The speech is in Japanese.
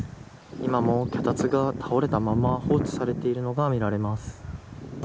今も脚立が倒れたまま放置されているのが見られます。